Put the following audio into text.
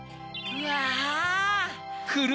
うわ！